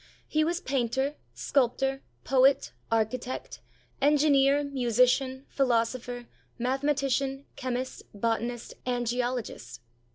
He was painter, sculptor, poet, architect, en gineer, musician, philosopher, mathematician, chemist, botanist, and geologist.